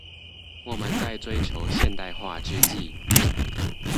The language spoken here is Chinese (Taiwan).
我們在追求現代化之際